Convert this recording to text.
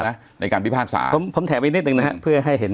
นะในการพิพากษาผมผมแถมอีกนิดนึงนะฮะเพื่อให้เห็น